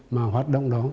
mà hoạt động đó